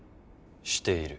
している。